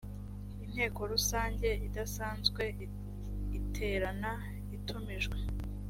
inteko rusange idasanzwe iterana itumijwe